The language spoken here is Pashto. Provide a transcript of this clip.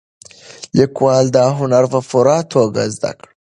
لیکوال دا هنر په پوره توګه زده دی.